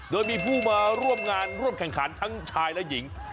โดยมีผู้มาร่วมงานร่วมแข่งขันทั้งชายและหญิง